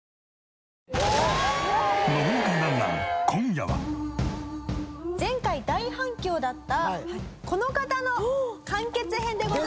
『ノブナカなんなん？』前回大反響だったこの方の完結編でございます。